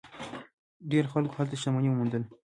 ډیرو خلکو هلته شتمني وموندله.